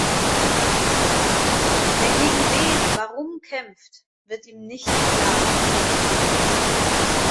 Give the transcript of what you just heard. Wer gegen wen warum kämpft, wird ihm nicht klar.